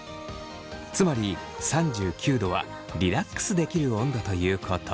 つまり３９℃はリラックスできる温度ということ。